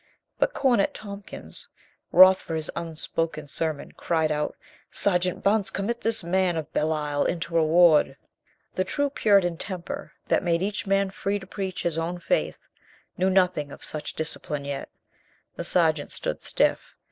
But Cornet Tompkins, wroth for his unspoken sermon, cried out: "Sergeant Bunce, commit this man of Belial into ward !" The true Puritan temper that made each man free to preach his own faith knew nothing of such dis cipline yet. The sergeant stood stiff.